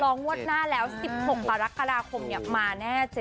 รองวดหน้าแล้ว๑๖กรกฎาคมมาแน่๗๔๖สูตร